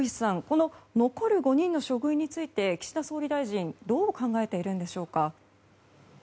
この残る５人の処遇について岸田総理大臣どう考えているんでしょうか。